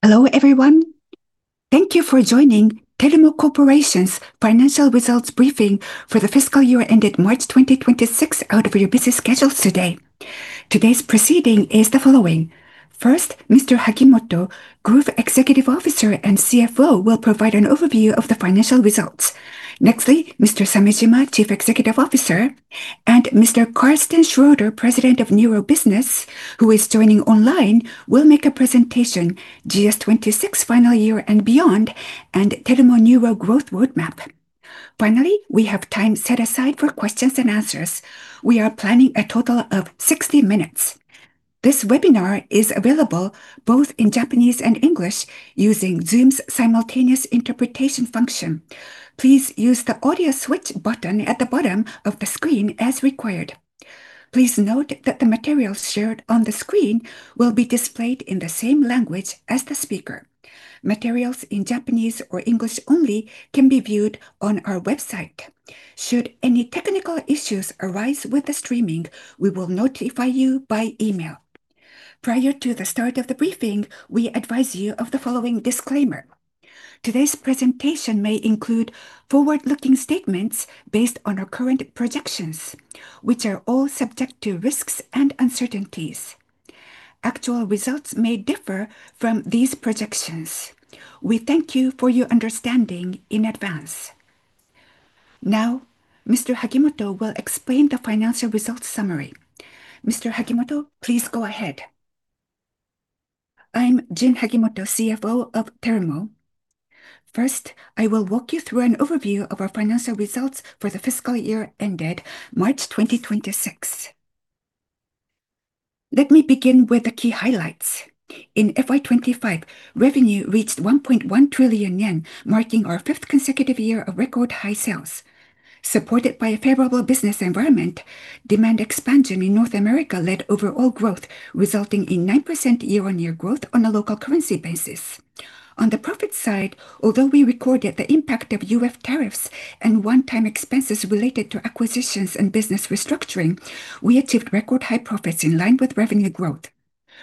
Hello, everyone. Thank you for joining Terumo Corporation's financial results briefing for the fiscal year ended March 2026 out of your busy schedules today. Today's proceeding is the following. First, Mr. Hagimoto, Group Executive Officer and CFO, will provide an overview of the financial results. Nextly, Mr. Samejima, Chief Executive Officer, and Mr. Carsten Schroeder, President of Neuro Business, who is joining online, will make a presentation, GS 2026 final year and beyond, and Terumo Neuro growth roadmap. Finally, we have time set aside for questions and answers. We are planning a total of 60 minutes. This webinar is available both in Japanese and English using Zoom's simultaneous interpretation function. Please use the audio switch button at the bottom of the screen as required. Please note that the materials shared on the screen will be displayed in the same language as the speaker. Materials in Japanese or English only can be viewed on our website. Should any technical issues arise with the streaming, we will notify you by email. Prior to the start of the briefing, we advise you of the following disclaimer. Today's presentation may include forward-looking statements based on our current projections, which are all subject to risks and uncertainties. Actual results may differ from these projections. We thank you for your understanding in advance. Mr. Hagimoto will explain the financial results summary. Mr. Hagimoto, please go ahead. I'm Jin Hagimoto, CFO of Terumo. I will walk you through an overview of our financial results for the fiscal year ended March 2026. Let me begin with the key highlights. In FY 2025, revenue reached 1.1 trillion yen, marking our 5th consecutive year of record high sales. Supported by a favorable business environment, demand expansion in North America led overall growth, resulting in 9% year-on-year growth on a local currency basis. On the profit side, although we recorded the impact of U.S. tariffs and one-time expenses related to acquisitions and business restructuring, we achieved record high profits in line with revenue growth.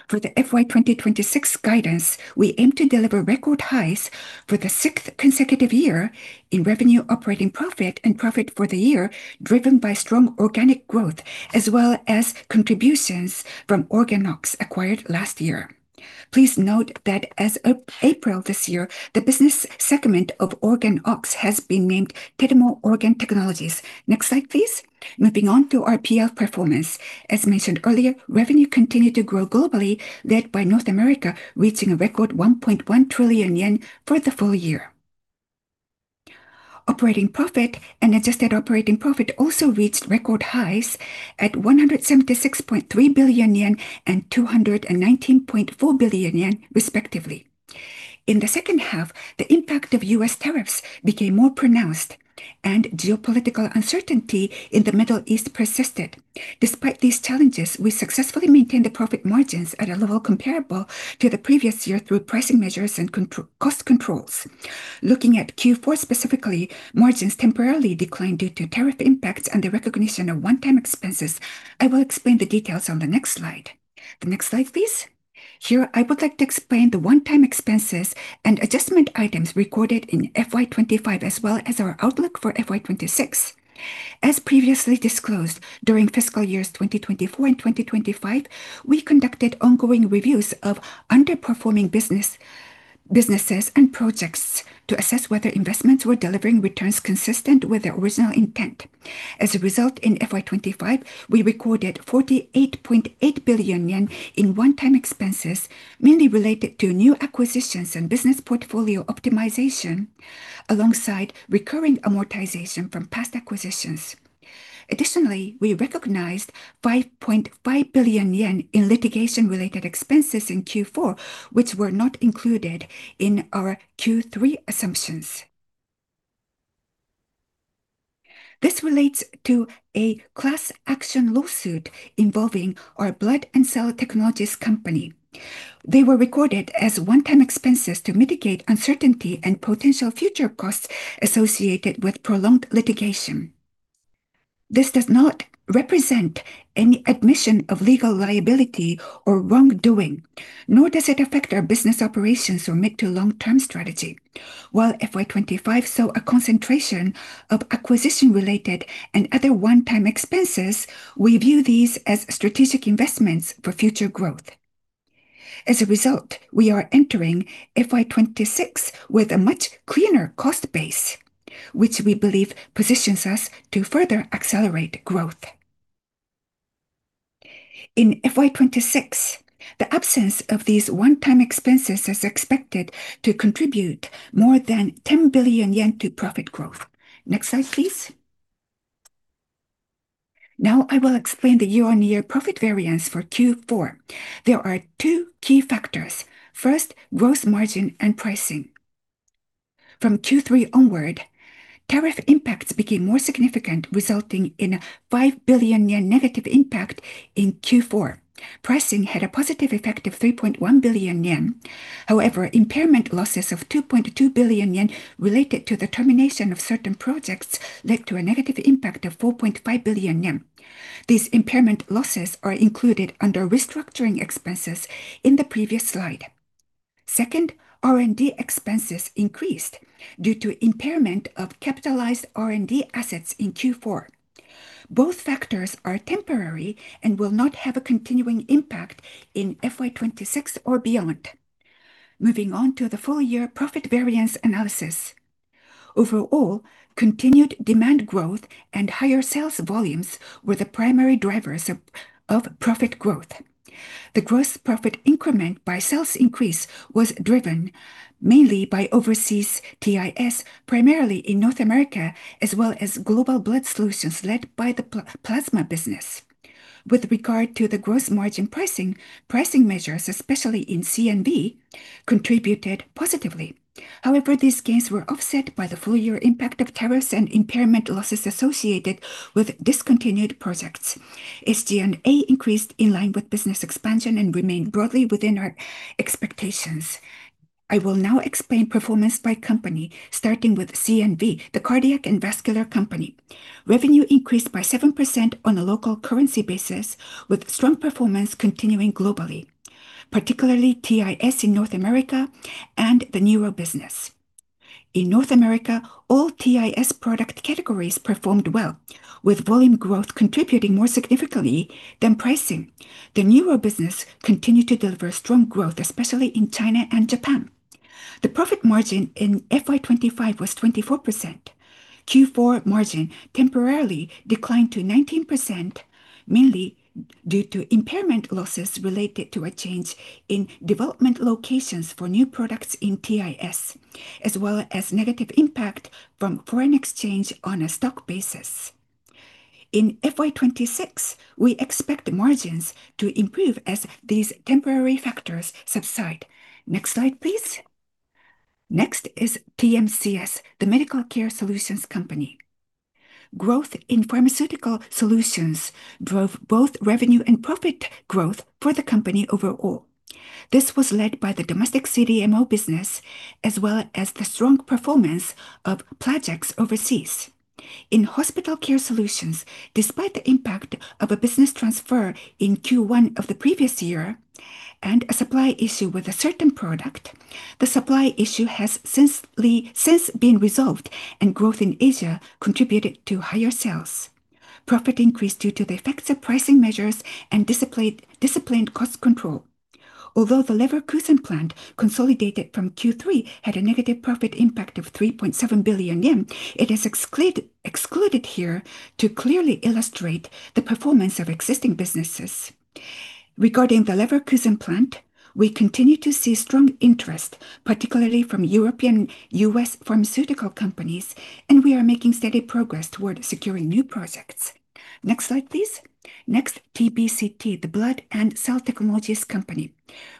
For the FY 2026 guidance, we aim to deliver record highs for the sixth consecutive year in revenue operating profit and profit for the year, driven by strong organic growth as well as contributions from OrganOx acquired last year. Please note that as of April this year, the business segment of OrganOx has been named Terumo Organ Technologies. Next slide, please. Moving on to our PL performance. As mentioned earlier, revenue continued to grow globally, led by North America, reaching a record 1.1 trillion yen for the full year. Operating profit and adjusted operating profit also reached record highs at 176.3 billion yen and 219.4 billion yen, respectively. In the H2, the impact of U.S. tariffs became more pronounced and geopolitical uncertainty in the Middle East persisted. Despite these challenges, we successfully maintained the profit margins at a level comparable to the previous year through pricing measures and cost controls. Looking at Q4 specifically, margins temporarily declined due to tariff impacts and the recognition of one-time expenses. I will explain the details on the next slide. The next slide, please. Here I would like to explain the one-time expenses and adjustment items recorded in FY 2025 as well as our outlook for FY 2026. As previously disclosed, during fiscal years 2024 and 2025, we conducted ongoing reviews of underperforming businesses and projects to assess whether investments were delivering returns consistent with their original intent. As a result, in FY 2025, we recorded 48.8 billion yen in one-time expenses, mainly related to new acquisitions and business portfolio optimization alongside recurring amortization from past acquisitions. Additionally, we recognized 5.5 billion yen in litigation-related expenses in Q4, which were not included in our Q3 assumptions. This relates to a class action lawsuit involving our blood and cell technologies company. They were recorded as one-time expenses to mitigate uncertainty and potential future costs associated with prolonged litigation. This does not represent any admission of legal liability or wrongdoing, nor does it affect our business operations or mid to long-term strategy. While FY 2025 saw a concentration of acquisition-related and other one-time expenses, we view these as strategic investments for future growth. As a result, we are entering FY 2026 with a much cleaner cost base, which we believe positions us to further accelerate growth. In FY 2026, the absence of these one-time expenses is expected to contribute more than 10 billion yen to profit growth. Next slide, please. Now I will explain the year-on-year profit variance for Q4. There are two key factors. First, gross margin and pricing. From Q3 onward, tariff impacts became more significant, resulting in a 5 billion yen negative impact in Q4. Pricing had a positive effect of 3.1 billion yen. However, impairment losses of 2.2 billion yen related to the termination of certain projects led to a negative impact of 4.5 billion yen. These impairment losses are included under restructuring expenses in the previous slide. Second, R&D expenses increased due to impairment of capitalized R&D assets in Q4. Both factors are temporary and will not have a continuing impact in FY 2026 or beyond. Moving on to the full year profit variance analysis. Overall, continued demand growth and higher sales volumes were the primary drivers of profit growth. The gross profit increment by sales increase was driven mainly by overseas TIS, primarily in North America, as well as Global Blood Solutions led by the plasma business. With regard to the gross margin pricing measures, especially in C&V, contributed positively. However, these gains were offset by the full year impact of tariffs and impairment losses associated with discontinued projects. SG&A increased in line with business expansion and remained broadly within our expectations. I will now explain performance by company, starting with C&V, the Cardiac and Vascular Company. Revenue increased by 7% on a local currency basis, with strong performance continuing globally, particularly TIS in North America and the neuro business. In North America, all TIS product categories performed well, with volume growth contributing more significantly than pricing. The neuro business continued to deliver strong growth, especially in China and Japan. The profit margin in FY 2025 was 24%. Q4 margin temporarily declined to 19%, mainly due to impairment losses related to a change in development locations for new products in TIS, as well as negative impact from foreign exchange on a stock basis. In FY 2026, we expect margins to improve as these temporary factors subside. Next slide, please. Next is TMCS, the Medical Care Solutions Company. Growth in pharmaceutical solutions drove both revenue and profit growth for the company overall. This was led by the domestic CDMO business as well as the strong performance of projects overseas. In hospital care solutions, despite the impact of a business transfer in Q1 of the previous year and a supply issue with a certain product, the supply issue has since been resolved and growth in Asia contributed to higher sales. Profit increased due to the effects of pricing measures and disciplined cost control. Although the Leverkusen plant consolidated from Q3 had a negative profit impact of 3.7 billion yen, it is excluded here to clearly illustrate the performance of existing businesses. Regarding the Leverkusen plant, we continue to see strong interest, particularly from European U.S. pharmaceutical companies, and we are making steady progress toward securing new projects. Next slide, please. Next, TBCT, the Blood and Cell Technologies Company.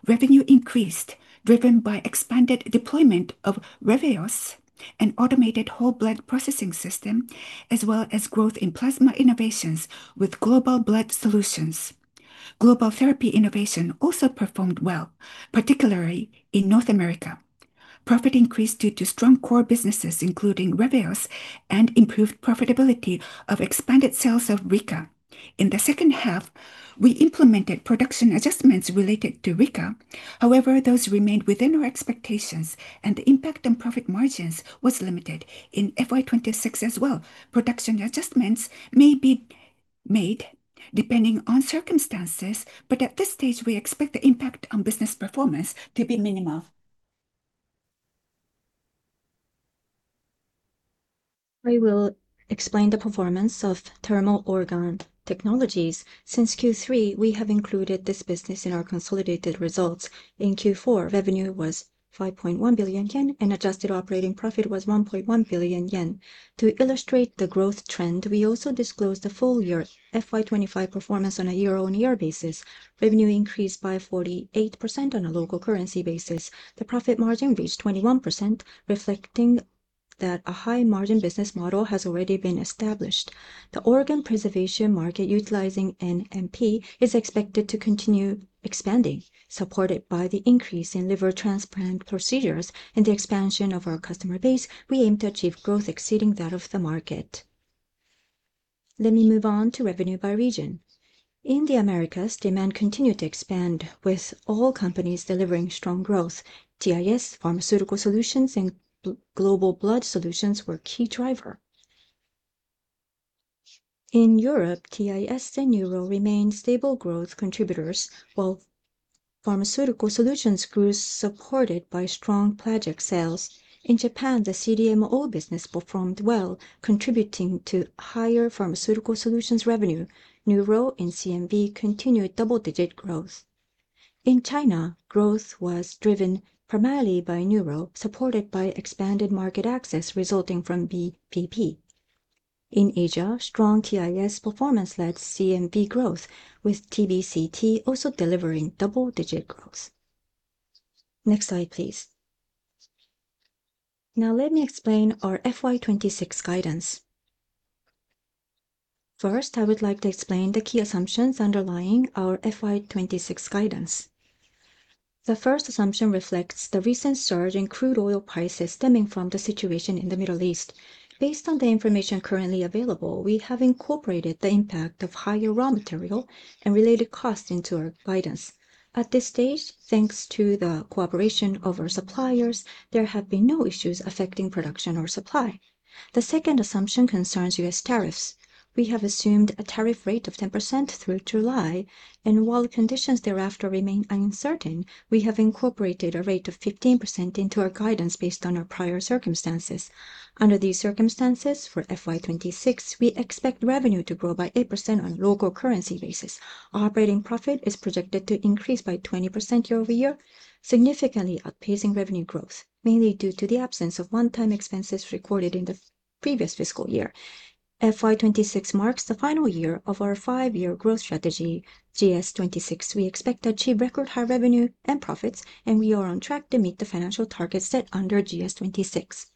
Revenue increased, driven by expanded deployment of Reveos, an automated whole blood processing system, as well as growth in plasma innovations with Global Blood Solutions. Global Therapy Innovations also performed well, particularly in North America. Profit increased due to strong core businesses, including Reveos and improved profitability of expanded sales of Rika. In the H2, we implemented production adjustments related to Rika. However, those remained within our expectations, and the impact on profit margins was limited. In FY 2026 as well, production adjustments may be made depending on circumstances, but at this stage, we expect the impact on business performance to be minimal. I will explain the performance of Terumo Organ Technologies. Since Q3, we have included this business in our consolidated results. In Q4, revenue was 5.1 billion yen and adjusted operating profit was 1.1 billion yen. To illustrate the growth trend, we also disclosed the full year FY 2025 performance on a year-on-year basis. Revenue increased by 48% on a local currency basis. The profit margin reached 21%, reflecting that a high margin business model has already been established. The organ preservation market utilizing NMP is expected to continue expanding, supported by the increase in liver transplant procedures and the expansion of our customer base, we aim to achieve growth exceeding that of the market. Let me move on to revenue by region. In the Americas, demand continued to expand, with all companies delivering strong growth. TIS, Pharmaceutical Solutions, and Global Blood Solutions were a key driver. In Europe, TIS and Neuro remained stable growth contributors, while Pharmaceutical Solutions grew, supported by strong project sales. In Japan, the CDMO business performed well, contributing to higher Pharmaceutical Solutions revenue. Neuro and C&V continued double-digit growth. In China, growth was driven primarily by Neuro, supported by expanded market access resulting from VBP. In Asia, strong TIS performance led C&V growth, with TBCT also delivering double-digit growth. Next slide, please. Let me explain our FY 2026 guidance. First, I would like to explain the key assumptions underlying our FY 2026 guidance. The first assumption reflects the recent surge in crude oil prices stemming from the situation in the Middle East. Based on the information currently available, we have incorporated the impact of higher raw material and related costs into our guidance. At this stage, thanks to the cooperation of our suppliers, there have been no issues affecting production or supply. The second assumption concerns U.S. tariffs. We have assumed a tariff rate of 10% through July, and while conditions thereafter remain uncertain, we have incorporated a rate of 15% into our guidance based on our prior circumstances. Under these circumstances, for FY 2026, we expect revenue to grow by 8% on local currency basis. Operating profit is projected to increase by 20% year-over-year, significantly outpacing revenue growth, mainly due to the absence of one-time expenses recorded in the previous fiscal year. FY 2026 marks the final year of our five-year growth strategy, GS 2026. We expect to achieve record high revenue and profits, and we are on track to meet the financial targets set under GS 2026.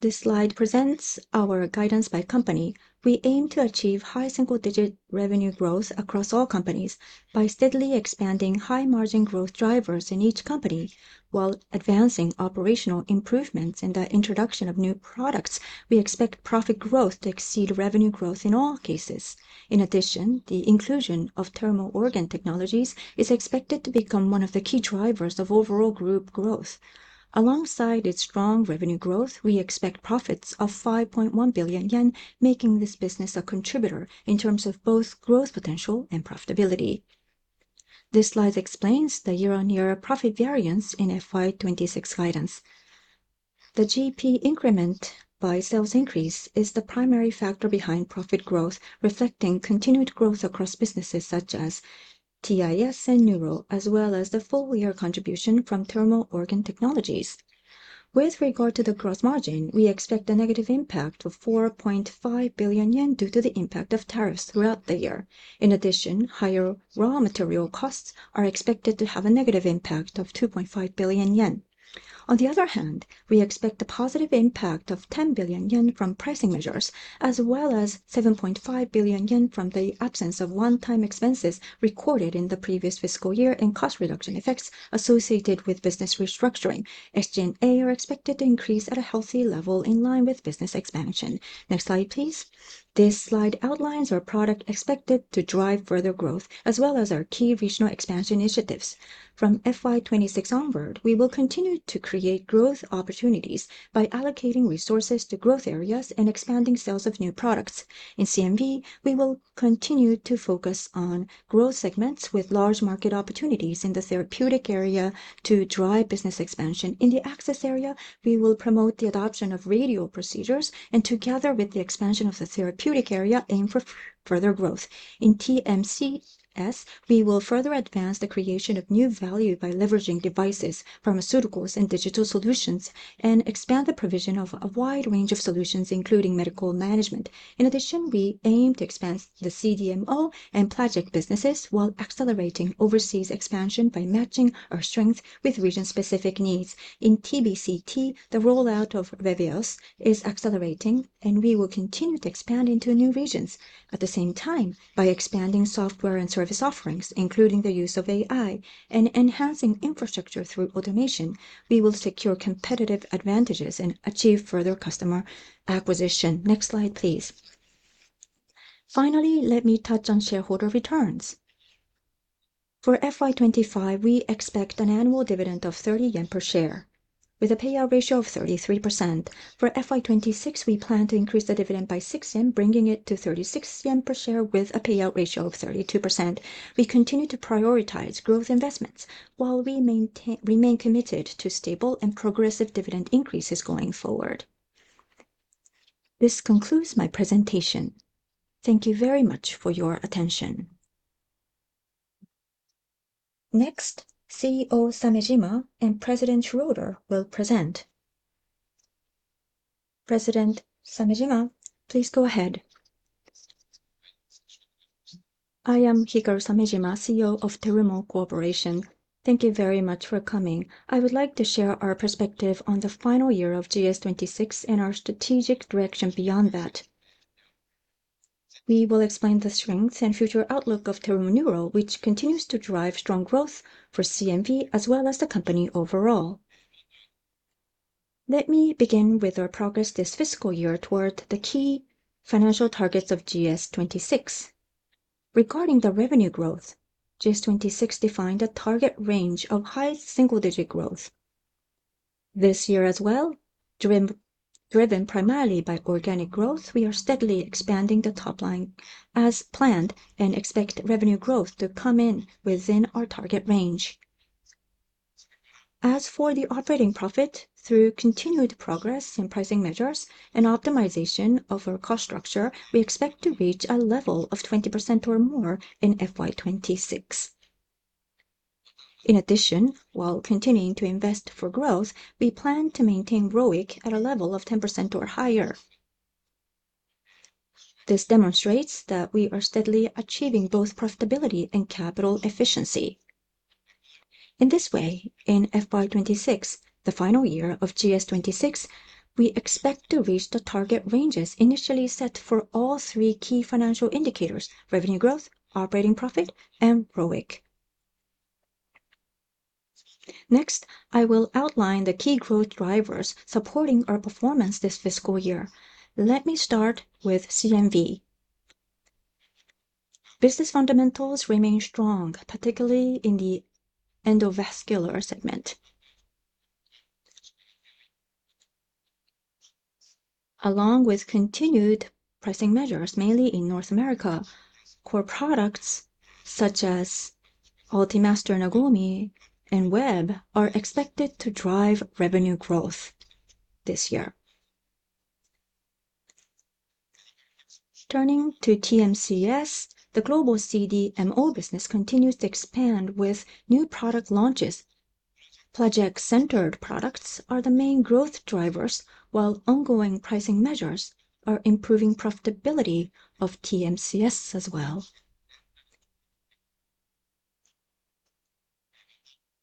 This slide presents our guidance by company. We aim to achieve high single-digit revenue growth across all companies by steadily expanding high margin growth drivers in each company while advancing operational improvements in the introduction of new products. We expect profit growth to exceed revenue growth in all cases. The inclusion of Terumo Organ Technologies is expected to become one of the key drivers of overall group growth. Alongside its strong revenue growth, we expect profits of 5.1 billion yen, making this business a contributor in terms of both growth potential and profitability. This slide explains the year-on-year profit variance in FY 2026 guidance. The GP increment by sales increase is the primary factor behind profit growth, reflecting continued growth across businesses such as TIS and Neuro, as well as the full year contribution from Terumo Organ Technologies. With regard to the gross margin, we expect a negative impact of 4.5 billion yen due to the impact of tariffs throughout the year. Higher raw material costs are expected to have a negative impact of 2.5 billion yen. We expect a positive impact of 10 billion yen from pricing measures, as well as 7.5 billion yen from the absence of one-time expenses recorded in the previous fiscal year and cost reduction effects associated with business restructuring. SG&A are expected to increase at a healthy level in line with business expansion. Next slide, please. This slide outlines our product expected to drive further growth as well as our key regional expansion initiatives. From FY 2026 onward, we will continue to create growth opportunities by allocating resources to growth areas and expanding sales of new products. In C&V, we will continue to focus on growth segments with large market opportunities in the therapeutic area to drive business expansion. In the access area, we will promote the adoption of radial procedures, and together with the expansion of the therapeutic area, aim for further growth. In TMCS, we will further advance the creation of new value by leveraging devices, pharmaceuticals, and digital solutions, and expand the provision of a wide range of solutions, including medical management. We aim to expand the CDMO and project businesses while accelerating overseas expansion by matching our strength with region-specific needs. In TBCT, the rollout of Reveos is accelerating, and we will continue to expand into new regions. By expanding software and service offerings, including the use of AI and enhancing infrastructure through automation, we will secure competitive advantages and achieve further customer acquisition. Next slide, please. Finally, let me touch on shareholder returns. For FY 2025, we expect an annual dividend of 30 yen per share with a payout ratio of 33%. For FY 2026, we plan to increase the dividend by 6 yen, bringing it to 36 yen per share with a payout ratio of 32%. We continue to prioritize growth investments while we remain committed to stable and progressive dividend increases going forward. This concludes my presentation. Thank you very much for your attention. Next, CEO Samejima and President Schroeder will present. President Samejima, please go ahead. I am Hikaru Samejima, CEO of Terumo Corporation. Thank you very much for coming. I would like to share our perspective on the final year of GS 2026 and our strategic direction beyond that. We will explain the strengths and future outlook of Terumo Neuro, which continues to drive strong growth for C&V as well as the company overall. Let me begin with our progress this fiscal year toward the key financial targets of GS 2026. Regarding the revenue growth, GS 2026 defined a target range of high single-digit growth. This year as well, driven primarily by organic growth, we are steadily expanding the top line as planned and expect revenue growth to come in within our target range. As for the operating profit, through continued progress in pricing measures and optimization of our cost structure, we expect to reach a level of 20% or more in FY 2026. In addition, while continuing to invest for growth, we plan to maintain ROIC at a level of 10% or higher. This demonstrates that we are steadily achieving both profitability and capital efficiency. In this way, in FY 2026, the final year of GS 2026, we expect to reach the target ranges initially set for all three key financial indicators, revenue growth, operating profit, and ROIC. Next, I will outline the key growth drivers supporting our performance this fiscal year. Let me start with C&V. Business fundamentals remain strong, particularly in the endovascular segment. Along with continued pricing measures, mainly in North America, core products such as Ultimaster Nagomi and WEB are expected to drive revenue growth this year. Turning to TMCS, the global CDMO business continues to expand with new product launches. Project-centered products are the main growth drivers, while ongoing pricing measures are improving profitability of TMCS as well.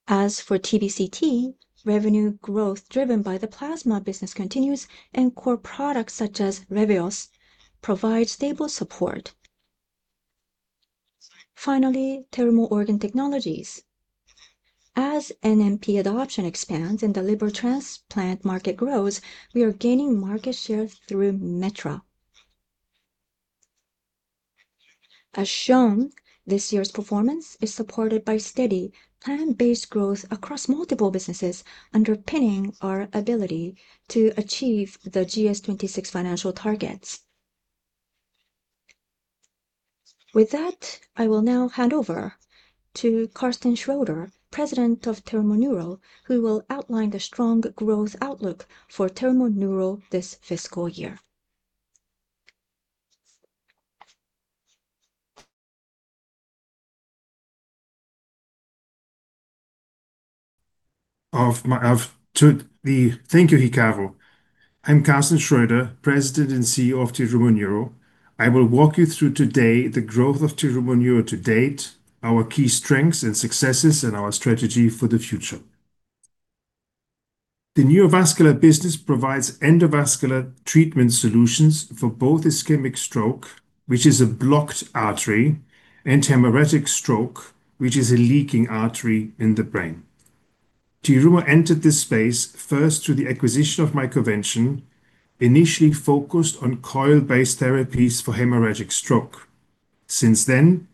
As for TBCT, revenue growth driven by the plasma business continues, and core products such as Reveos provide stable support. Finally, Terumo Organ Technologies. As NMP adoption expands and the liver transplant market grows, we are gaining market share through metra. As shown, this year's performance is supported by steady, plan-based growth across multiple businesses, underpinning our ability to achieve the GS 2026 financial targets. With that, I will now hand over to Carsten Schroeder, President of Terumo Neuro, who will outline the strong growth outlook for Terumo Neuro this fiscal year. Thank you, Hikaru. I'm Carsten Schroeder, President and CEO of Terumo Neuro. I will walk you through today the growth of Terumo Neuro to date, our key strengths and successes, and our strategy for the future. The neurovascular business provides endovascular treatment solutions for both ischemic stroke, which is a blocked artery, and hemorrhagic stroke, which is a leaking artery in the brain. Terumo entered this space first through the acquisition of MicroVention, initially focused on coil-based therapies for hemorrhagic stroke. Since then,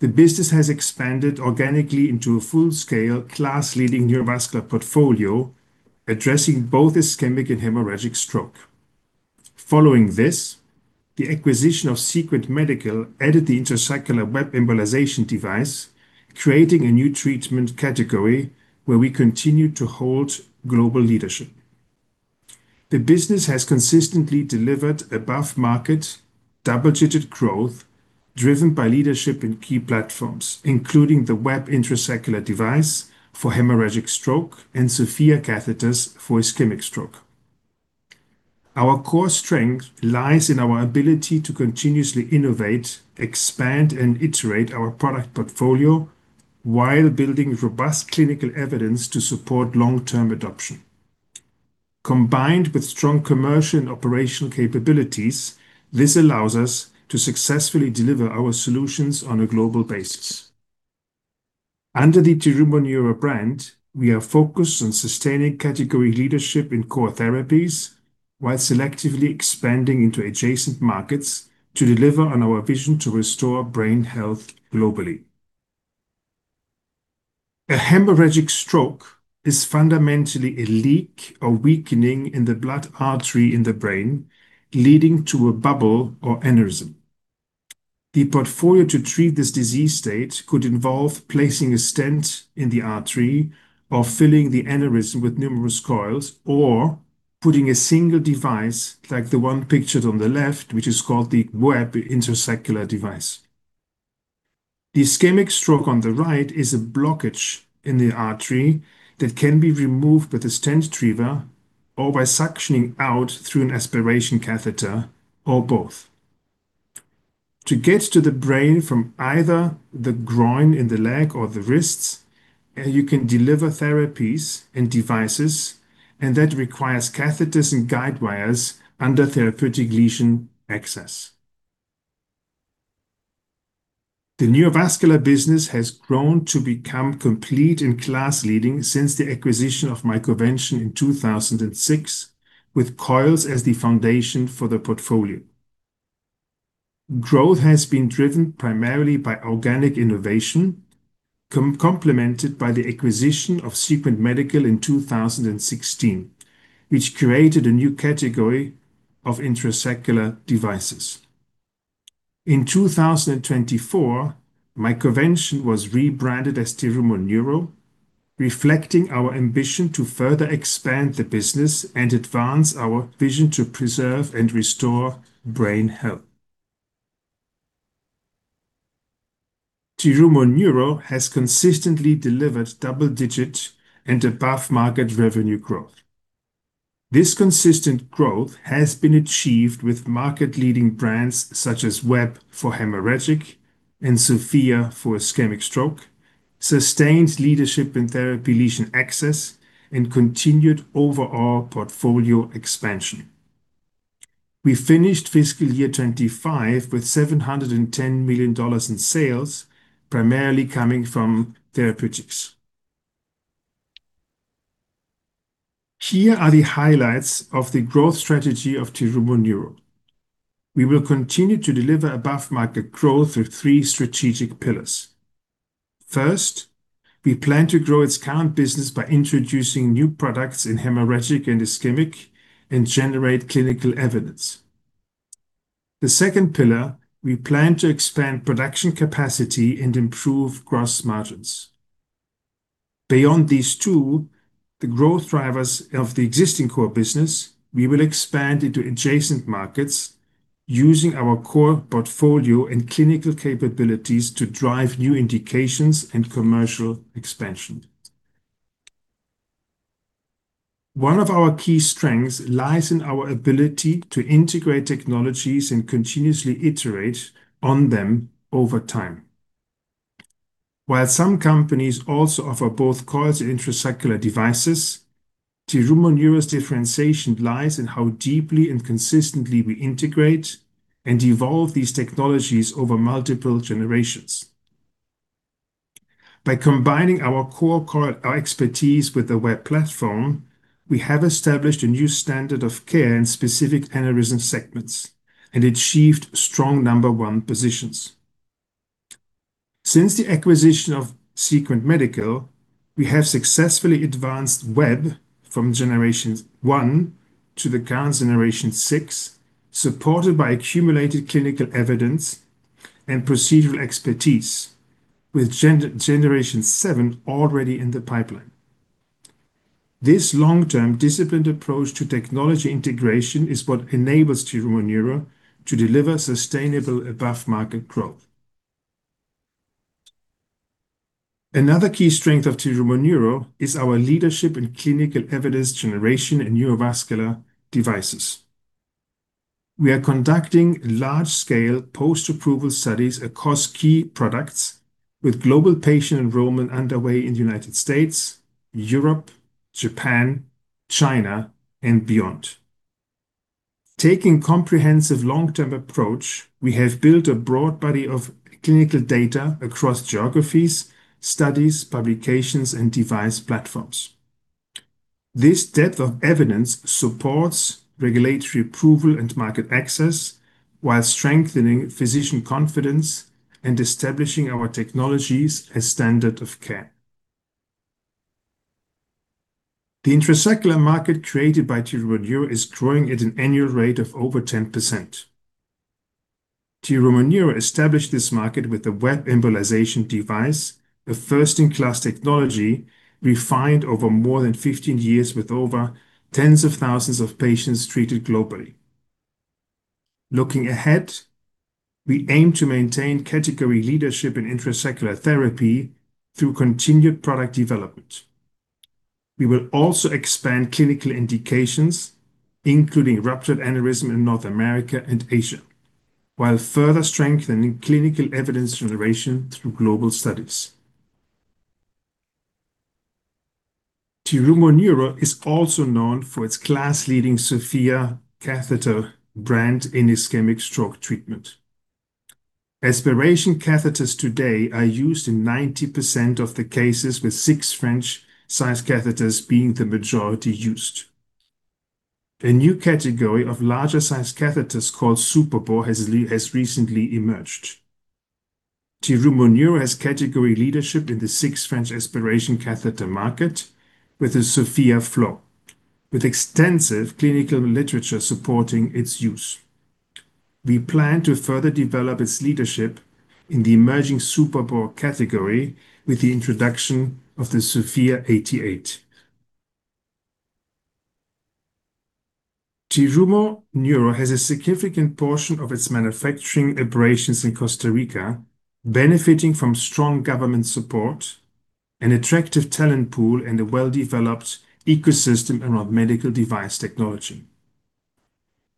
the business has expanded organically into a full-scale, class-leading neurovascular portfolio addressing both ischemic and hemorrhagic stroke. Following this, the acquisition of Sequent Medical added the intrasaccular WEB embolization device, creating a new treatment category where we continue to hold global leadership. The business has consistently delivered above-market, double-digit growth driven by leadership in key platforms, including the WEB intrasaccular device for hemorrhagic stroke and SOFIA catheters for ischemic stroke. Our core strength lies in our ability to continuously innovate, expand, and iterate our product portfolio while building robust clinical evidence to support long-term adoption. Combined with strong commercial and operational capabilities, this allows us to successfully deliver our solutions on a global basis. Under the Terumo Neuro brand, we are focused on sustaining category leadership in core therapies while selectively expanding into adjacent markets to deliver on our vision to restore brain health globally. A hemorrhagic stroke is fundamentally a leak or weakening in the blood artery in the brain, leading to a bubble or aneurysm. The portfolio to treat this disease state could involve placing a stent in the artery or filling the aneurysm with numerous coils or putting a single device like the one pictured on the left, which is called the WEB intrasaccular device. The ischemic stroke on the right is a blockage in the artery that can be removed with a stent retriever or by suctioning out through an aspiration catheter or both. To get to the brain from either the groin in the leg or the wrists, you can deliver therapies and devices, and that requires catheters and guide wires under therapeutic lesion access. The neurovascular business has grown to become complete and class-leading since the acquisition of MicroVention in 2006, with coils as the foundation for the portfolio. Growth has been driven primarily by organic innovation, complemented by the acquisition of Sequent Medical in 2016, which created a new category of intrasaccular devices. In 2024, MicroVention was rebranded as Terumo Neuro, reflecting our ambition to further expand the business and advance our vision to preserve and restore brain health. Terumo Neuro has consistently delivered double-digit and above-market revenue growth. This consistent growth has been achieved with market-leading brands such as WEB for hemorrhagic and SOFIA for ischemic stroke, sustained leadership in therapy lesion access, and continued overall portfolio expansion. We finished fiscal year 2025 with $710 million in sales, primarily coming from therapeutics. Here are the highlights of the growth strategy of Terumo Neuro. We will continue to deliver above-market growth through three strategic pillars. We plan to grow its current business by introducing new products in hemorrhagic and ischemic and generate clinical evidence. The second pillar, we plan to expand production capacity and improve gross margins. Beyond these two, the growth drivers of the existing core business, we will expand into adjacent markets using our core portfolio and clinical capabilities to drive new indications and commercial expansion. One of our key strengths lies in our ability to integrate technologies and continuously iterate on them over time. While some companies also offer both coils and intrasaccular devices, Terumo Neuro's differentiation lies in how deeply and consistently we integrate and evolve these technologies over multiple generations. By combining our core expertise with the WEB platform, we have established a new standard of care in specific aneurysm segments and achieved strong number one positions. Since the acquisition of Sequent Medical, we have successfully advanced WEB from generations 1 to the current generation 6, supported by accumulated clinical evidence and procedural expertise, with generations 7 already in the pipeline. This long-term, disciplined approach to technology integration is what enables Terumo Neuro to deliver sustainable above-market growth. Another key strength of Terumo Neuro is our leadership in clinical evidence generation and neurovascular devices. We are conducting large-scale post-approval studies across key products with global patient enrollment underway in the United States, Europe, Japan, China, and beyond. Taking comprehensive long-term approach, we have built a broad body of clinical data across geographies, studies, publications, and device platforms. This depth of evidence supports regulatory approval and market access while strengthening physician confidence and establishing our technologies as standard of care. The intrasaccular market created by Terumo Neuro is growing at an annual rate of over 10%. Terumo Neuro established this market with a WEB embolization device, a first-in-class technology refined over more than 15 years with over tens of thousands of patients treated globally. Looking ahead, we aim to maintain category leadership in intrasaccular therapy through continued product development. We will also expand clinical indications, including ruptured aneurysm in North America and Asia, while further strengthening clinical evidence generation through global studies. Terumo Neuro is also known for its class-leading SOFIA catheter brand in ischemic stroke treatment. Aspiration catheters today are used in 90% of the cases, with six French-sized catheters being the majority used. A new category of larger-sized catheters called Superbore has recently emerged. Terumo Neuro has category leadership in the six French aspiration catheter market with the SOFIA Flow, with extensive clinical literature supporting its use. We plan to further develop its leadership in the emerging Superbore category with the introduction of the SOFIA 88. Terumo Neuro has a significant portion of its manufacturing operations in Costa Rica, benefiting from strong government support, an attractive talent pool, and a well-developed ecosystem around medical device technology.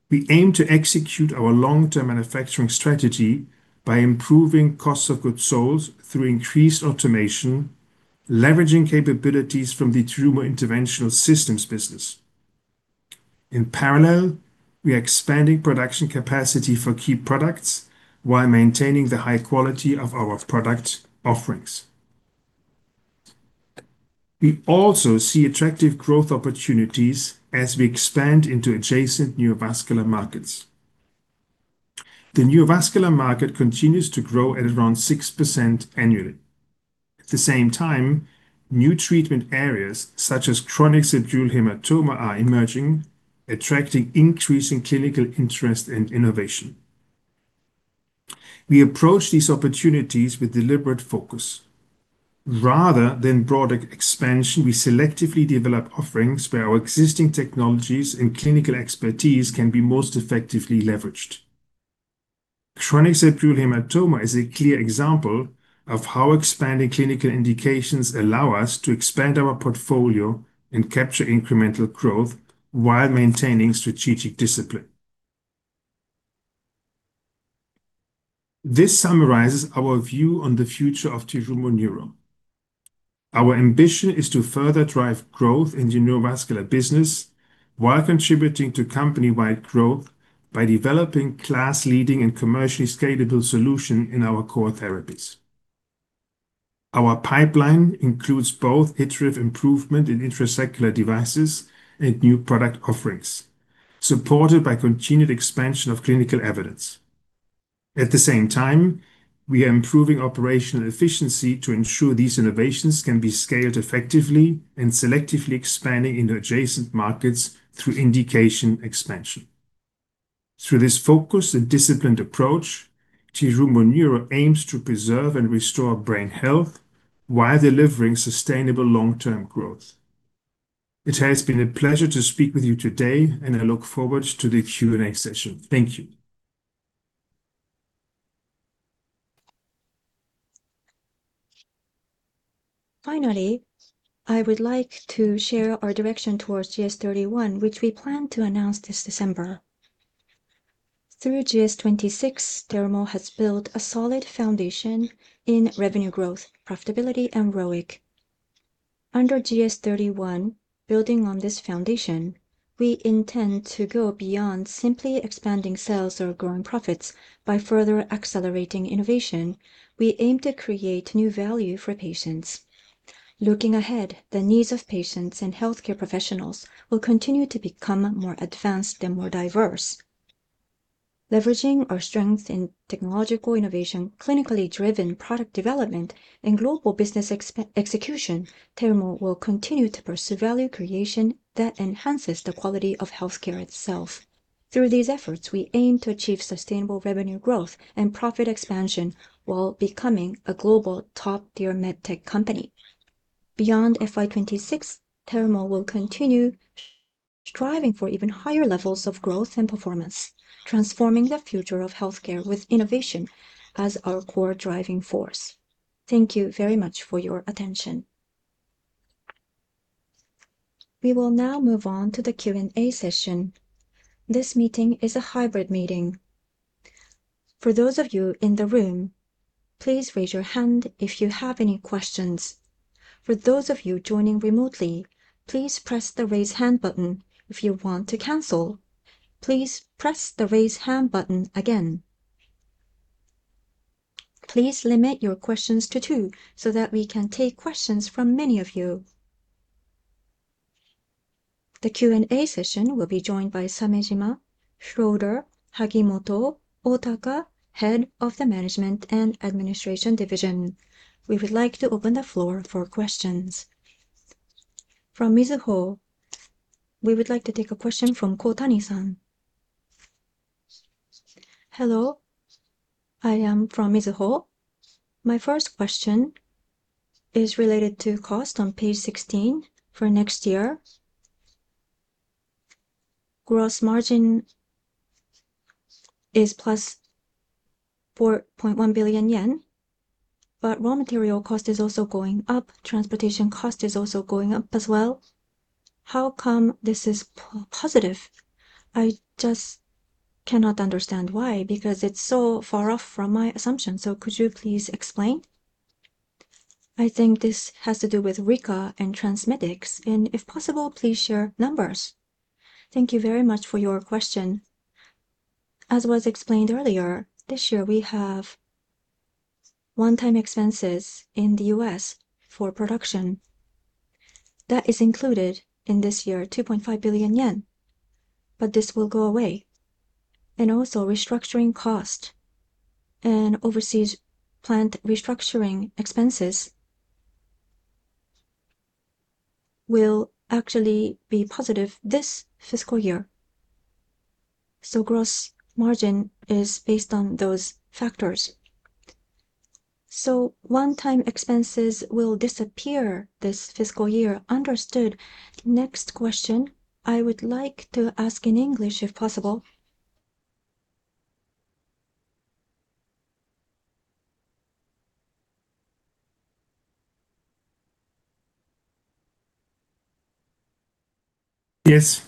We aim to execute our long-term manufacturing strategy by improving cost of goods sold through increased automation, leveraging capabilities from the Terumo Interventional Systems business. In parallel, we are expanding production capacity for key products while maintaining the high quality of our product offerings. We also see attractive growth opportunities as we expand into adjacent neurovascular markets. The neurovascular market continues to grow at around 6% annually. At the same time, new treatment areas, such as chronic subdural hematoma, are emerging, attracting increasing clinical interest and innovation. We approach these opportunities with deliberate focus. Rather than broader expansion, we selectively develop offerings where our existing technologies and clinical expertise can be most effectively leveraged. Chronic subdural hematoma is a clear example of how expanding clinical indications allow us to expand our portfolio and capture incremental growth while maintaining strategic discipline. This summarizes our view on the future of Terumo Neuro. Our ambition is to further drive growth in the neurovascular business while contributing to company-wide growth by developing class-leading and commercially scalable solution in our core therapies. Our pipeline includes both iterative improvement in intracerebral devices and new product offerings, supported by continued expansion of clinical evidence. At the same time, we are improving operational efficiency to ensure these innovations can be scaled effectively and selectively expanding into adjacent markets through indication expansion. Through this focused and disciplined approach, Terumo Neuro aims to preserve and restore brain health while delivering sustainable long-term growth. It has been a pleasure to speak with you today, and I look forward to the Q&A session. Thank you. Finally, I would like to share our direction towards GS 2031, which we plan to announce this December. Through GS 2026, Terumo has built a solid foundation in revenue growth, profitability, and ROIC. Under GS 2031, building on this foundation, we intend to go beyond simply expanding sales or growing profits by further accelerating innovation. We aim to create new value for patients. Looking ahead, the needs of patients and healthcare professionals will continue to become more advanced and more diverse. Leveraging our strength in technological innovation, clinically driven product development, and global business execution, Terumo will continue to pursue value creation that enhances the quality of healthcare itself. Through these efforts, we aim to achieve sustainable revenue growth and profit expansion while becoming a global top-tier med tech company. Beyond FY 2026, Terumo will continue striving for even higher levels of growth and performance, transforming the future of healthcare with innovation as our core driving force. Thank you very much for your attention. We will now move on to the Q&A session. This meeting is a hybrid meeting. For those of you in the room, please raise your hand if you have any questions. For those of you joining remotely, please press the Raise Hand button. If you want to cancel, please press the Raise Hand button again. Please limit your questions to two, so that we can take questions from many of you. The Q&A session will be joined by Samejima, Schroeder, Hagimoto, Otaka, Head of the Management and Administration Division. We would like to open the floor for questions. From Mizuho, we would like to take a question from Kohtani-san. Hello, I am from Mizuho. My first question is related to cost on page 16 for next year. Gross margin is +4.1 billion yen, raw material cost is also going up. Transportation cost is also going up as well. How come this is positive? I just cannot understand why, because it's so far off from my assumption. Could you please explain? I think this has to do with Rika and TransMedics. If possible, please share numbers. Thank you very much for your question. As was explained earlier, this year we have one-time expenses in the U.S. for production. That is included in this year, 2.5 billion yen, this will go away. Also restructuring cost and overseas plant restructuring expenses will actually be positive this fiscal year. Gross margin is based on those factors. One-time expenses will disappear this fiscal year. Understood. Next question, I would like to ask in English if possible. Yes.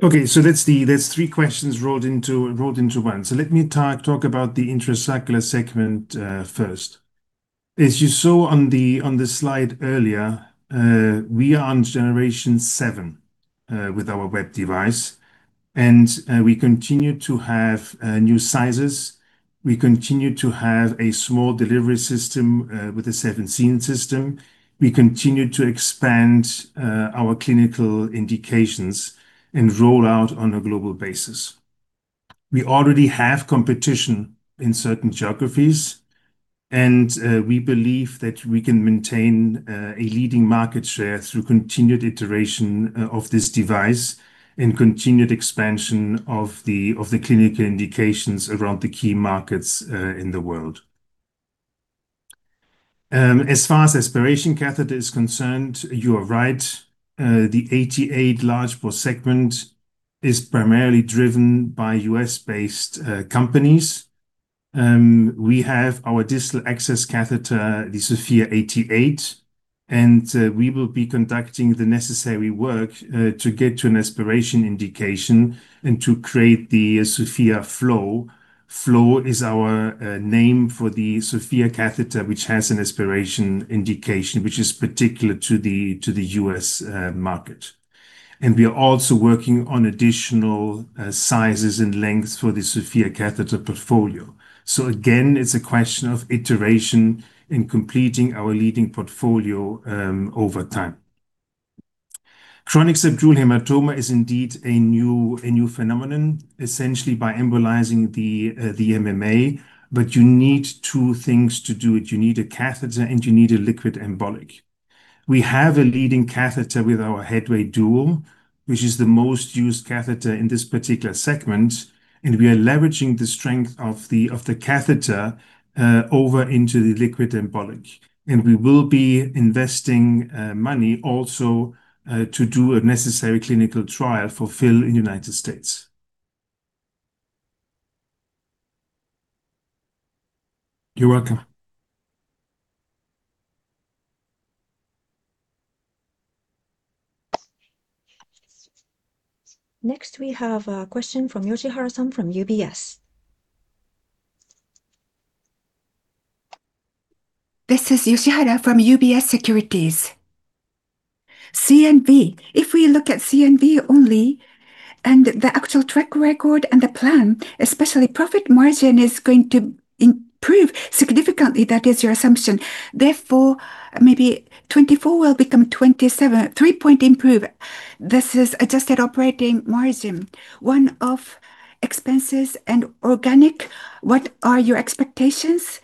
There's three questions rolled into one. Let me talk about the intrasaccular segment first. As you saw on the slide earlier, we are on generation 7 with our WEB device, and we continue to have new sizes. We continue to have a small delivery system with a 7 French system. We continue to expand our clinical indications and roll out on a global basis. We already have competition in certain geographies, and we believe that we can maintain a leading market share through continued iteration of this device and continued expansion of the clinical indications around the key markets in the world. As far as aspiration catheter is concerned, you are right. The 88 large bore segment is primarily driven by U.S.-based companies. We have our distal access catheter, the SOFIA 88. We will be conducting the necessary work to get to an aspiration indication and to create the SOFIA Flow. Flow is our name for the SOFIA catheter, which has an aspiration indication, which is particular to the U.S. market. We are also working on additional sizes and lengths for the SOFIA catheter portfolio. Again, it's a question of iteration in completing our leading portfolio over time. Chronic subdural hematoma is indeed a new phenomenon, essentially by embolizing the MMA. You need two things to do it. You need a catheter, and you need a liquid embolic. We have a leading catheter with our Headway DUO, which is the most used catheter in this particular segment, we are leveraging the strength of the catheter over into the liquid embolic. We will be investing money also to do a necessary clinical trial for in United States. You're welcome. Next, we have a question from Yoshihara-san from UBS. This is Yoshihara from UBS Securities. C&V. If we look at C&V only and the actual track record and the plan, especially profit margin is going to improve significantly, that is your assumption. Therefore, maybe 24 will become 27, 3 point improve. This is adjusted operating margin. One-off expenses and organic, what are your expectations?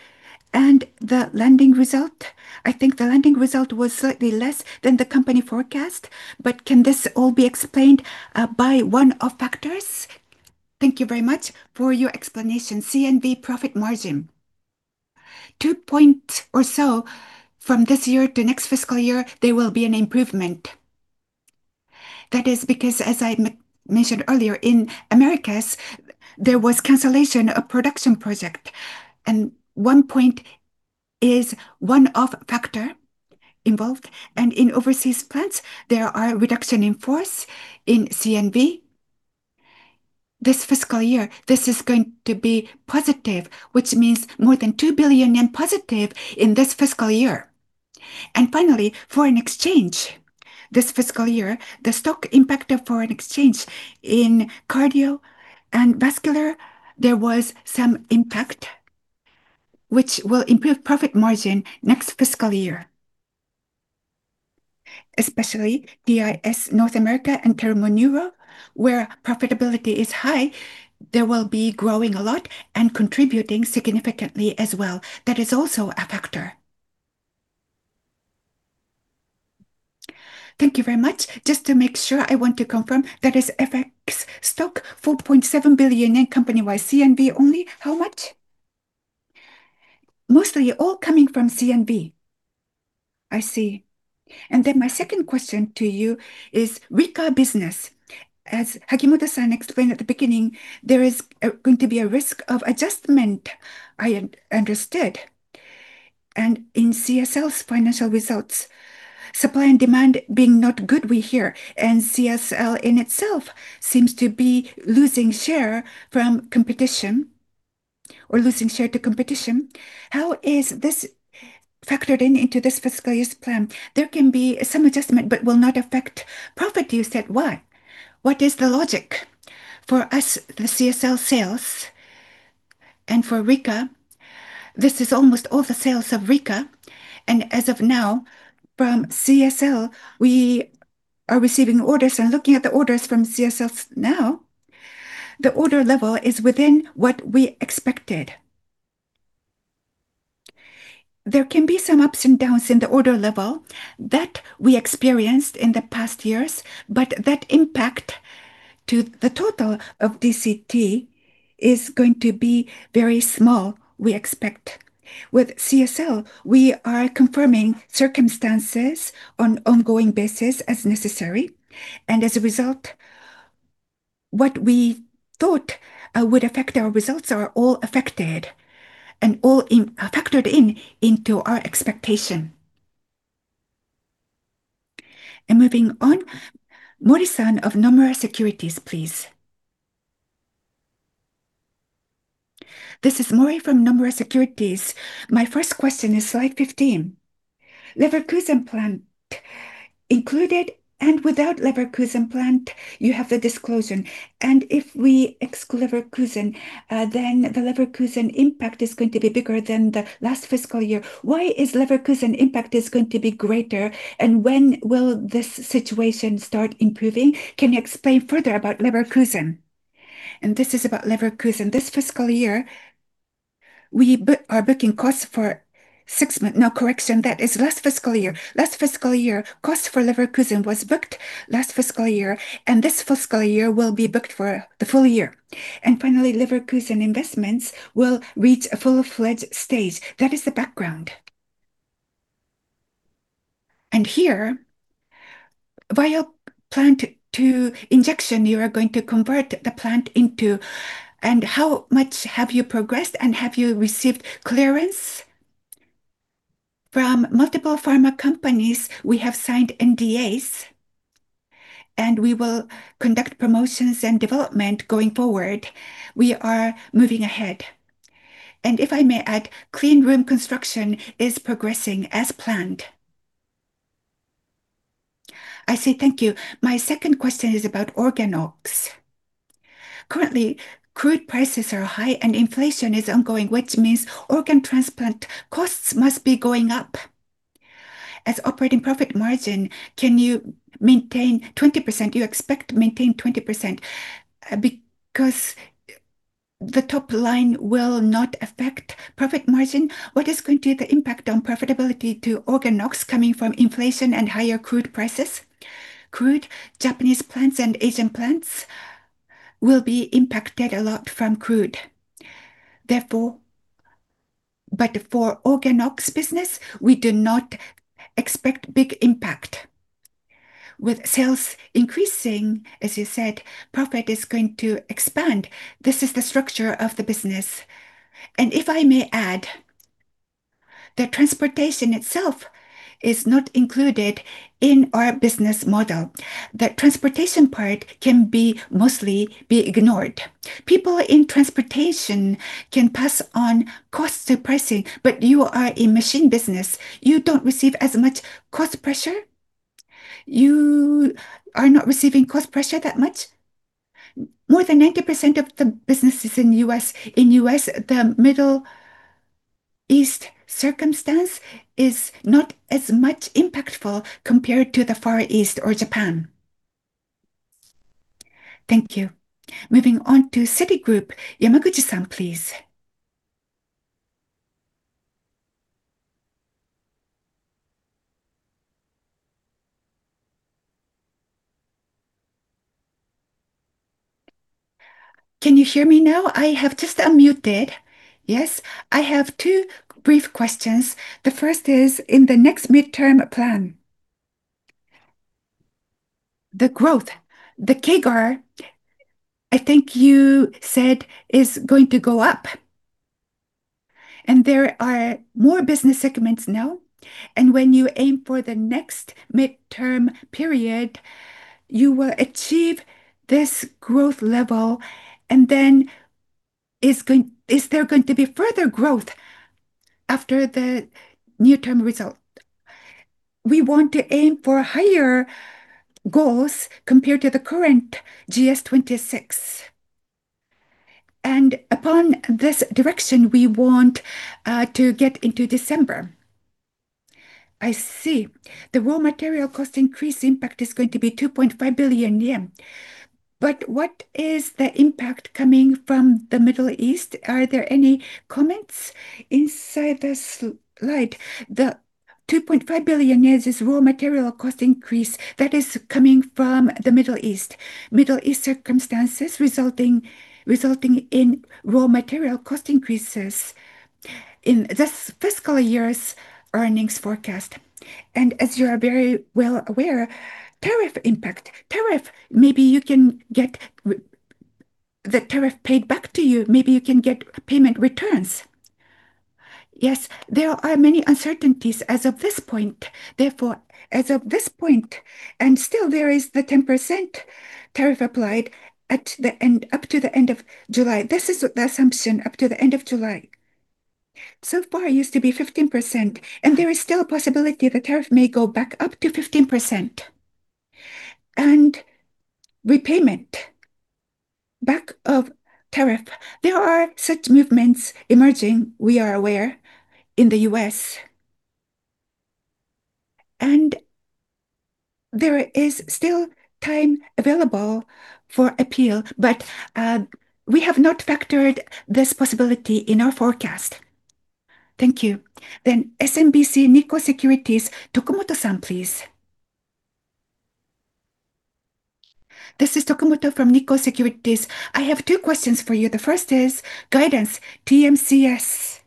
The lending result, I think the lending result was slightly less than the company forecast, but can this all be explained by one-off factors? Thank you very much for your explanation. C&V profit margin. 2 point or so from this year to next fiscal year, there will be an improvement. That is because, as I mentioned earlier, in Americas, there was cancellation of production project, 1 point is one-off factor involved. In overseas plants, there are reduction in force in C&V. This fiscal year, this is going to be positive, which means more than 2 billion yen positive in this fiscal year. Finally, foreign exchange. This fiscal year, the stock impact of foreign exchange in cardio and vascular, there was some impact which will improve profit margin next fiscal year. Especially TIS North America and Terumo Neuro, where profitability is high, they will be growing a lot and contributing significantly as well. That is also a factor. Thank you very much. Just to make sure, I want to confirm that is FX stock, 4.7 billion company-wide. C&V only, how much? Mostly all coming from C&V. I see. Then my second question to you is Rika business. As Hagimoto explained at the beginning, there is going to be a risk of adjustment, I understoodIn CSL's financial results, supply and demand being not good, we hear, and CSL in itself seems to be losing share from competition or losing share to competition. How is this factored in into this fiscal year's plan? There can be some adjustment, but will not affect profit, you said. Why? What is the logic? For us, the CSL sales and for Rika, this is almost all the sales of Rika. As of now, from CSL, we are receiving orders, and looking at the orders from CSL now, the order level is within what we expected. There can be some ups and downs in the order level that we experienced in the past years, but that impact to the total of TBCT is going to be very small, we expect. With CSL, we are confirming circumstances on ongoing basis as necessary, as a result, what we thought would affect our results are all affected and all factored in into our expectation. Moving on, Mori-san of Nomura Securities, please. This is Mori from Nomura Securities. My first question is slide 15. Leverkusen plant. Included and without Leverkusen plant, you have the disclosure. If we ex Leverkusen, then the Leverkusen impact is going to be bigger than the last fiscal year. Why is Leverkusen impact is going to be greater, and when will this situation start improving? Can you explain further about Leverkusen? This is about Leverkusen. This fiscal year, we are booking costs for six months. No, correction, that is last fiscal year. Last fiscal year, cost for Leverkusen was booked last fiscal year. This fiscal year will be booked for the full year. Finally, Leverkusen investments will reach a full-fledged stage. That is the background. Here, while plant to injection, you are going to convert the plant into, how much have you progressed, have you received clearance? From multiple pharma companies, we have signed NDAs. We will conduct promotions and development going forward. We are moving ahead. If I may add, clean room construction is progressing as planned. I see. Thank you. My second question is about OrganOx. Currently, crude prices are high and inflation is ongoing, which means organ transplant costs must be going up. As operating profit margin, can you maintain 20%? You expect to maintain 20% because the top line will not affect profit margin. What is going to be the impact on profitability to OrganOx coming from inflation and higher crude prices? Japanese plants and Asian plants will be impacted a lot from crude. For OrganOx business, we do not expect big impact. With sales increasing, as you said, profit is going to expand. This is the structure of the business. If I may add, the transportation itself is not included in our business model. The transportation part can be mostly be ignored. People in transportation can pass on cost suppressing, but you are a machine business. You don't receive as much cost pressure. You are not receiving cost pressure that much. More than 90% of the businesses in U.S. In U.S., the Middle East circumstance is not as much impactful compared to the Far East or Japan. Thank you. Moving on to Citigroup. Yamaguchi-san, please. Can you hear me now? I have just unmuted. Yes. I have two brief questions. The first is, in the next midterm plan, the growth, the CAGR, I think you said is going to go up, there are more business segments now. When you aim for the next midterm period, you will achieve this growth level, then is there going to be further growth after the near-term result? We want to aim for higher goals compared to the current GS 2026. Upon this direction, we want to get into December. I see. The raw material cost increase impact is going to be 2.5 billion yen. What is the impact coming from the Middle East? Are there any comments? Inside the slide, the 2.5 billion is raw material cost increase that is coming from the Middle East. Middle East circumstances resulting in raw material cost increases in this fiscal year's earnings forecast. As you are very well aware, tariff impact. Tariff, maybe you can get the tariff paid back to you. Maybe you can get payment returns? Yes. There are many uncertainties as of this point. Therefore, as of this point, still there is the 10% tariff applied at the end, up to the end of July. This is the assumption, up to the end of July. So far used to be 15%, there is still a possibility the tariff may go back up to 15%. Repayment back of tariff, there are such movements emerging, we are aware, in the U.S. There is still time available for appeal, but we have not factored this possibility in our forecast. Thank you. SMBC Nikko Securities, Tokumoto San, please. This is Tokumoto from Nikko Securities. I have two questions for you. The first is guidance, TMCS.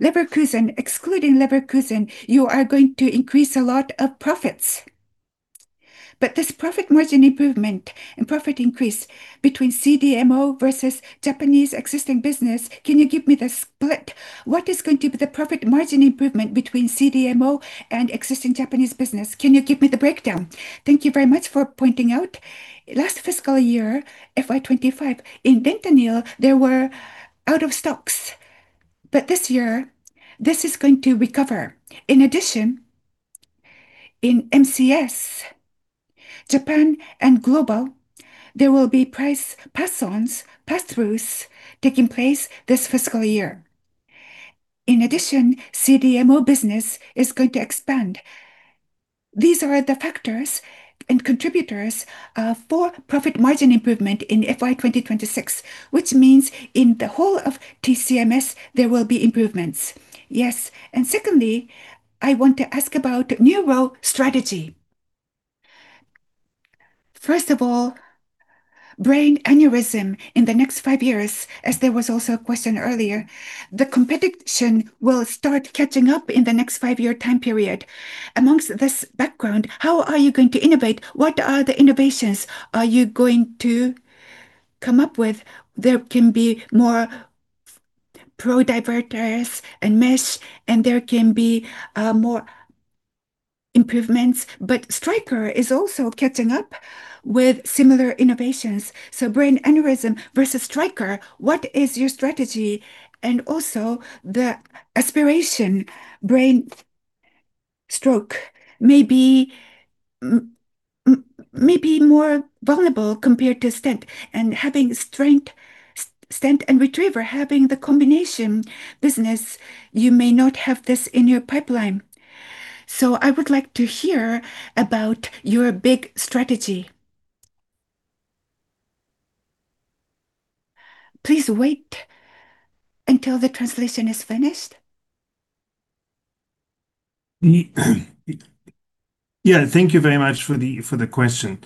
Leverkusen, excluding Leverkusen, you are going to increase a lot of profits. This profit margin improvement and profit increase between CDMO versus Japanese existing business, can you give me the split? What is going to be the profit margin improvement between CDMO and existing Japanese business? Can you give me the breakdown? Thank you very much for pointing out. Last fiscal year, FY 2025, in fentanyl there were out of stocks. This year, this is going to recover. In addition, in MCS, Japan and global, there will be price pass-ons, pass-throughs taking place this fiscal year. In addition, CDMO business is going to expand. These are the factors and contributors for profit margin improvement in FY 2026, which means in the whole of TMCS, there will be improvements. Yes. Secondly, I want to ask about neuro strategy. First of all, brain aneurysm in the next five years, as there was also a question earlier. The competition will start catching up in the next five-year time period. Amongst this background, how are you going to innovate? What are the innovations are you going to come up with? There can be more flow diverters and mesh, and there can be more improvements. Stryker is also catching up with similar innovations. Brain aneurysm versus Stryker, what is your strategy? Also the aspiration, brain stroke may be may be more vulnerable compared to stent. Having stent and retriever, having the combination business, you may not have this in your pipeline. I would like to hear about your big strategy. Please wait until the translation is finished. Thank you very much for the question.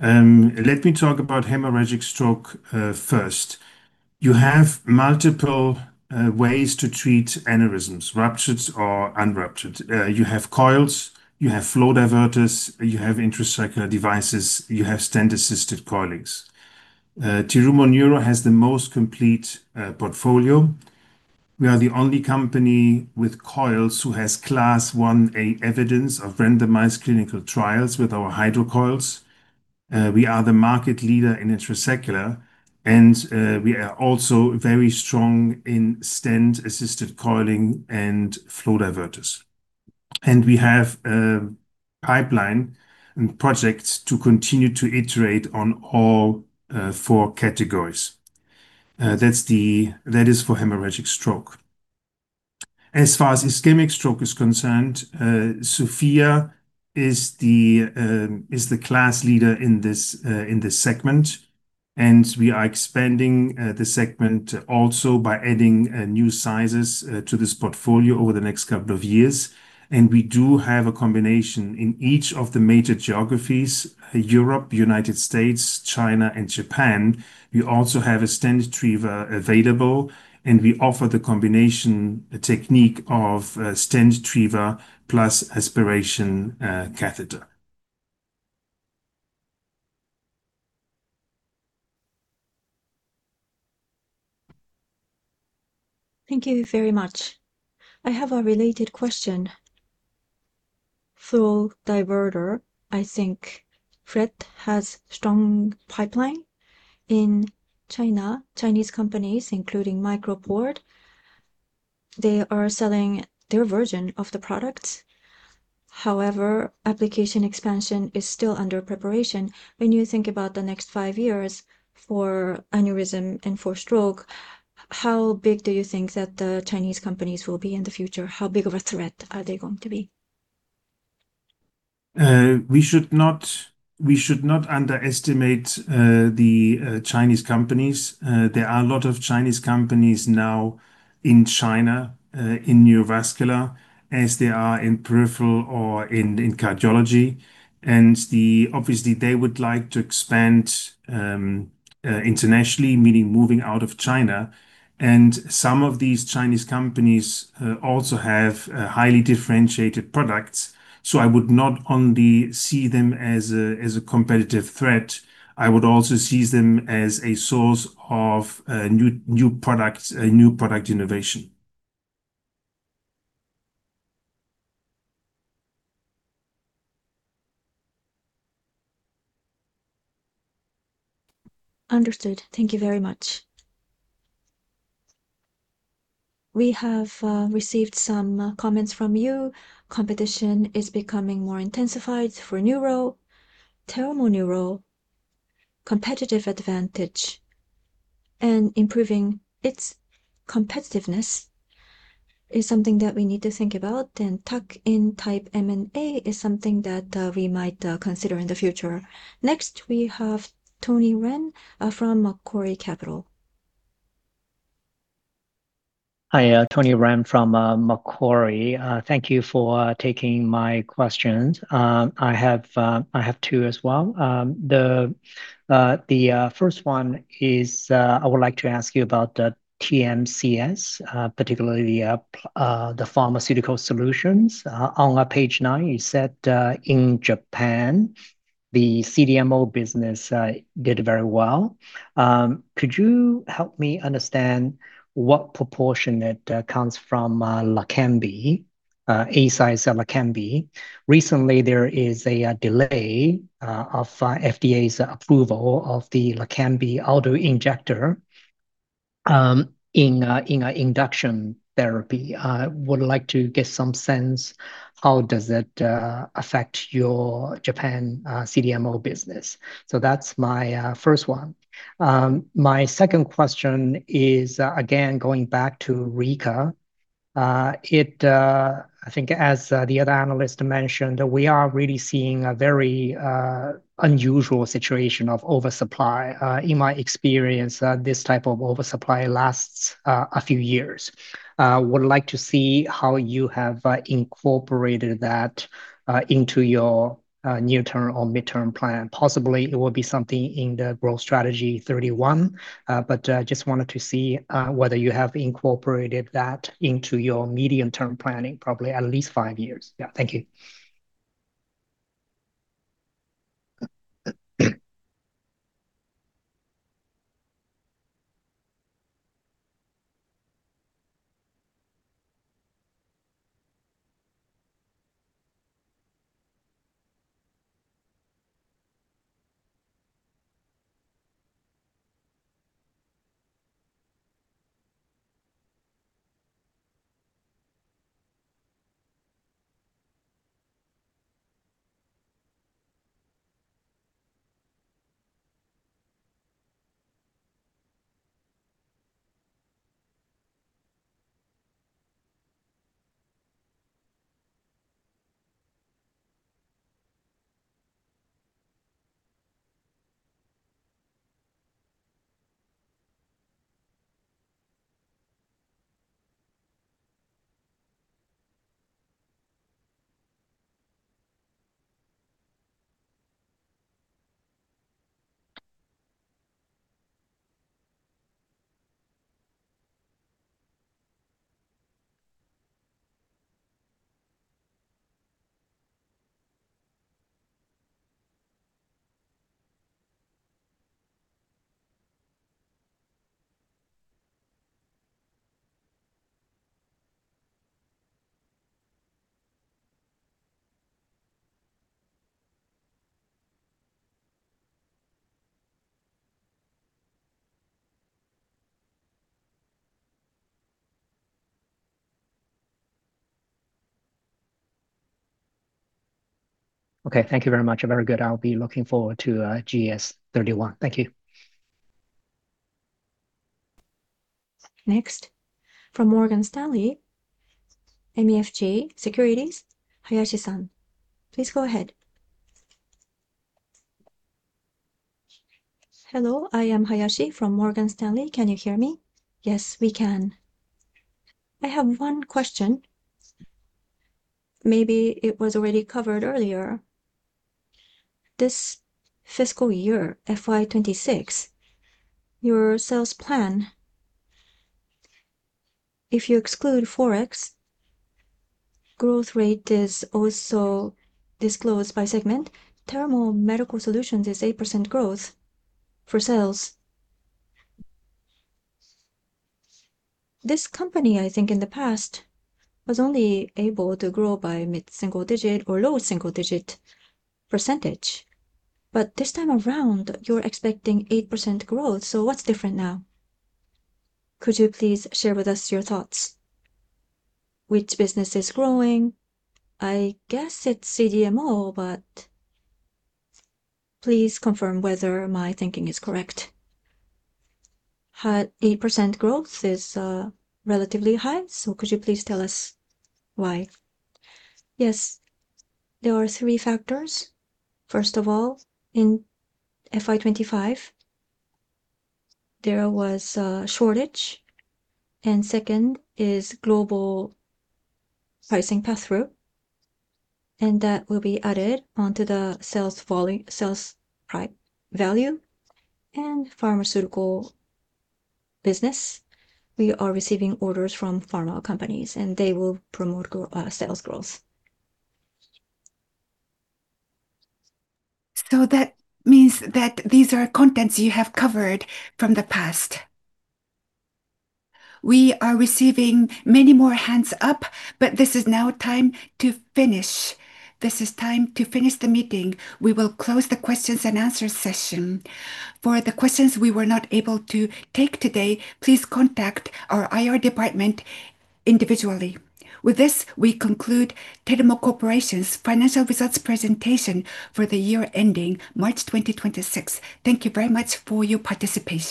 Let me talk about hemorrhagic stroke first. You have multiple ways to treat aneurysms, ruptured or unruptured. You have coils, you have flow diverters, you have intrasaccular devices, you have stent-assisted coiling. Terumo Neuro has the most complete portfolio. We are the only company with coils who has class 1A evidence of randomized clinical trials with our HydroCoils. We are the market leader in intrasaccular, and we are also very strong in stent-assisted coiling and flow diverters. We have a pipeline and projects to continue to iterate on all four categories. That is for hemorrhagic stroke. As far as ischemic stroke is concerned, SOFIA is the class leader in this in this segment, and we are expanding the segment also by adding new sizes to this portfolio over the next couple of years. We do have a combination in each of the major geographies, Europe, United States, China and Japan. We also have a stentriever available, and we offer the combination technique of stentriever plus aspiration catheter. Thank you very much. I have a related question. Flow diverter, I think FRED has strong pipeline. In China, Chinese companies, including MicroPort, they are selling their version of the products. However, application expansion is still under preparation. When you think about the next five years for aneurysm and for stroke, how big do you think that the Chinese companies will be in the future? How big of a threat are they going to be? We should not underestimate the Chinese companies. There are a lot of Chinese companies now in China, in neurovascular, as they are in peripheral or in cardiology. Obviously, they would like to expand internationally, meaning moving out of China. Some of these Chinese companies also have highly differentiated products. I would not only see them as a competitive threat, I would also seize them as a source of new products, new product innovation. Understood. Thank you very much. We have received some comments from you. Competition is becoming more intensified for Neuro, Terumo Neuro. Competitive advantage and improving its competitiveness is something that we need to think about, and tuck in type M&A is something that we might consider in the future. Next, we have Tony Ren from Macquarie Capital. Hi, Tony Ren from Macquarie. Thank you for taking my questions. I have two as well. The first one is I would like to ask you about the TMCS, particularly the pharmaceutical solutions. On page 9, you said in Japan, the CDMO business did very well. Could you help me understand what proportion that comes from LEQEMBI, Eisai's LEQEMBI? Recently, there is a delay of FDA's approval of the LEQEMBI auto-injector in induction therapy. Would like to get some sense how does that affect your Japan CDMO business. That's my first one. My second question is again going back to Rika. It, I think as the other analyst mentioned, we are really seeing a very unusual situation of oversupply. In my experience, this type of oversupply lasts a few years. Would like to see how you have incorporated that into your near-term or mid-term plan. Possibly it will be something in the growth strategy 2031, but just wanted to see whether you have incorporated that into your medium-term planning, probably at least five years. Yeah. Thank you. Okay. Thank you very much. Very good. I'll be looking forward to GS 2031. Thank you. Next, from Morgan Stanley, MUFG Securities, Hayashi-san, please go ahead. Hello, I am Hayashi from Morgan Stanley. Can you hear me? Yes, we can. I have one question. Maybe it was already covered earlier. This fiscal year, FY 2026, your sales plan, if you exclude Forex, growth rate is also disclosed by segment. Terumo Medical Care Solutions is 8% growth for sales. This company, I think in the past, was only able to grow by mid-single digit or low single-digit percentage. This time around, you're expecting 8% growth. What's different now? Could you please share with us your thoughts? Which business is growing? I guess it's CDMO, but please confirm whether my thinking is correct. 8% growth is relatively high. Could you please tell us why? Yes. There are three factors. First of all, in FY 2025, there was a shortage. Second is global pricing passthrough, and that will be added onto the sales value and pharmaceutical business. We are receiving orders from pharma companies, and they will promote sales growth. That means that these are contents you have covered from the past? We are receiving many more hands up, but this is now time to finish. This is time to finish the meeting. We will close the questions and answers session. For the questions we were not able to take today, please contact our IR department individually. With this, we conclude Terumo Corporation's financial results presentation for the year ending March 2026. Thank you very much for your participation.